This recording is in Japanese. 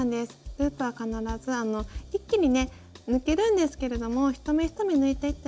ループは必ず一気にね抜けるんですけれども一目一目抜いていってあげたほうがきれいになりやすいです。